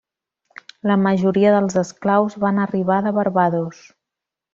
La majoria dels esclaus van arribar de Barbados.